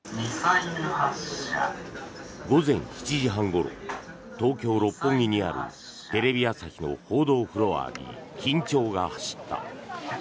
午前７時半ごろ東京・六本木にあるテレビ朝日の報道フロアに緊張が走った。